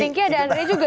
stinky ada andre juga